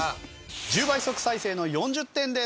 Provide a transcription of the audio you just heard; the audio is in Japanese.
１０倍速再生の４０点です。